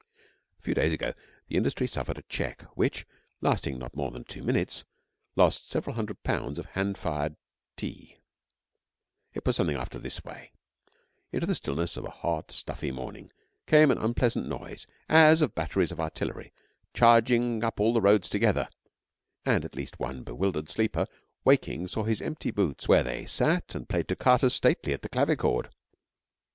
A few days ago the industry suffered a check which, lasting not more than two minutes, lost several hundred pounds of hand fired tea. It was something after this way. Into the stillness of a hot, stuffy morning came an unpleasant noise as of batteries of artillery charging up all the roads together, and at least one bewildered sleeper waking saw his empty boots where they 'sat and played toccatas stately at the clavicord.'